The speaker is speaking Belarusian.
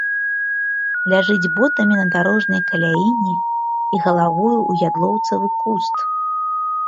Ляжыць ботамі на дарожнай каляіне і галавою ў ядлоўцавы куст.